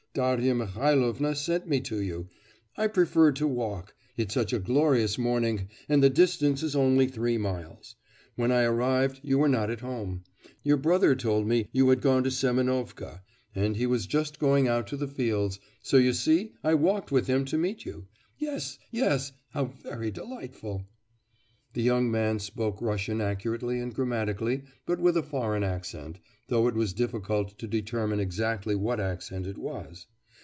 Darya Mihailovna sent me to you; I preferred to walk.... It's such a glorious morning, and the distance is only three miles. When I arrived, you were not at home. Your brother told me you had gone to Semenovka; and he was just going out to the fields; so you see I walked with him to meet you. Yes, yes. How very delightful!' The young man spoke Russian accurately and grammatically but with a foreign accent, though it was difficult to determine exactly what accent it was.